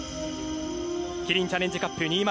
キリンチャレンジカップ２０２２